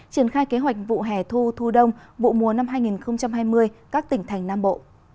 triển khai kế hoạch vụ hẻ thu thu đông vụ mùa năm hai nghìn hai mươi các tỉnh thành nam bộ